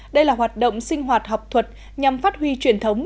đây là hoạt động sinh hoạt học thuật nhằm phát huy truyền thống